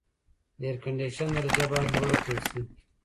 د اېرکنډیشن درجه باید لوړه کړل شي.